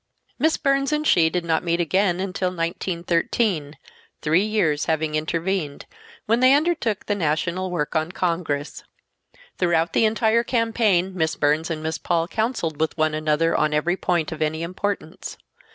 Miss Burns and she did not meet again until 1913—three years having intervened—when they undertook the national work on Congress. Throughout the entire campaign Miss Burns and Miss Paul counseled with one another on every point of any importance.